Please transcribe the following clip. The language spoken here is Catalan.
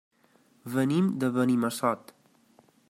Venim de Benimassot.